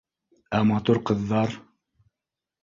— Ә матур ҡыҙҙар?